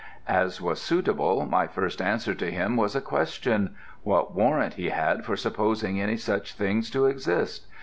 "As was suitable, my first answer to him was a question, What warrant he had for supposing any such beings to exist?